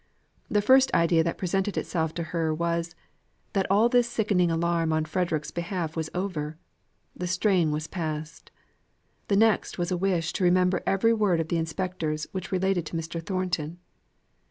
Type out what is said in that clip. The first idea that presented itself to her was, that all this sickening alarm on Frederick's behalf was over; that the strain was past. The next was a wish to remember every word of the Inspector's which related to Mr. Thornton.